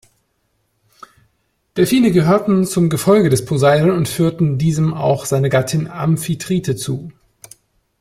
Delfine gehörten zum Gefolge des Poseidon und führten diesem auch seine Gattin Amphitrite zu.